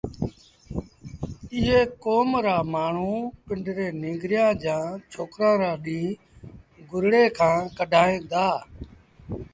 ايئي ڪوم رآ مآڻهوٚٚݩ پنڊري ننگريآݩ جآݩ ڇوڪرآݩ رآ ڏيݩهݩ گُرڙي کآݩ ڪڍائيٚݩ دآ